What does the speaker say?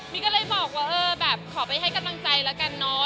นี่ก็เลยบอกว่าขอไปให้กำลังใจแล้วกันน้อ